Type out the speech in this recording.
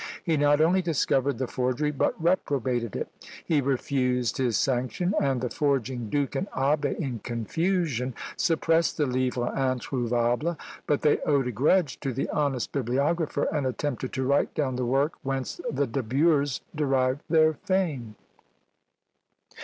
He not only discovered the forgery, but reprobated it! He refused his sanction; and the forging Duke and Abbé, in confusion, suppressed the livre introuvable; but they owed a grudge to the honest bibliographer, and attempted to write down the work whence the De Bures derive their fame.